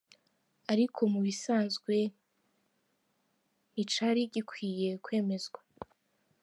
Ariko mu bisanzwe nticari gikwiye kwemezwa.